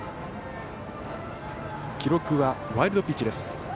記録はワイルドピッチです。